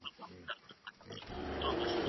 که خاوند خلع نه منله څه بايد وسي؟